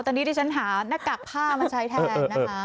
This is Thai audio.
ตอนนี้ดิฉันหาหน้ากากผ้ามาใช้แทนนะคะ